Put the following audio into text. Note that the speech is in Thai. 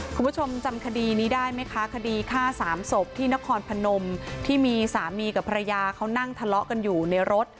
คุณผู้ชมจำคดีนี้ได้ไหมคะคดีฆ่าสามศพที่นครพนมที่มีสามีกับภรรยาเขานั่งทะเลาะกันอยู่ในรถ